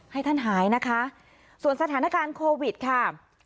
ให้ท่านหายนะคะส่วนสถานการณ์โควิดค่ะ